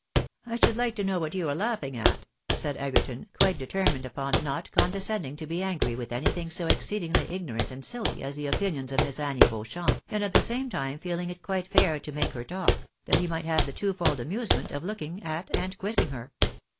" I should like to know what you are laughing at," said Egerton, quite determined upon not condescending to be angry with any thing so exceedingly ignorant and siUy as the opinions of Miss Annie Beauchamp, and at the same time feeling it quite fair to A WO UN OUT RACE. 63 make her talk, that he might have the twofold amusement of look ing at and quizzing her.